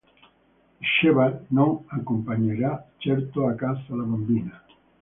Diceva, – non accompagnerà certo a casa la bambina.